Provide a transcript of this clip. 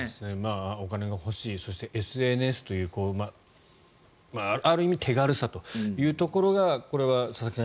お金が欲しいそしてＳＮＳというある意味、手軽さというところがこれは佐々木さん